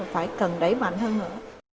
phải cần đẩy mạnh hơn nữa